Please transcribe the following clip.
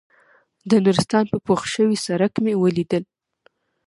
د نورستان په پوخ شوي سړک مې ولیدل.